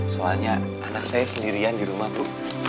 soalnya anak saya sendirian di rumah bu